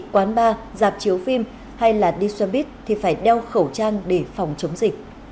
quán bar dạp chiếu phim hay đi xoa bít thì phải đeo khẩu trang để phòng chống dịch